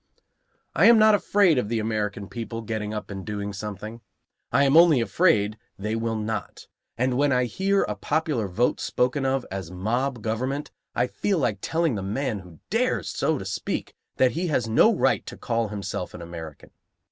I am not afraid of the American people getting up and doing something. I am only afraid they will not; and when I hear a popular vote spoken of as mob government, I feel like telling the man who dares so to speak that he has no right to call himself an American.